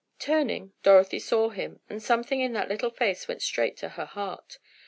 Turning, Dorothy saw him, and something in the little face went straight to her heart.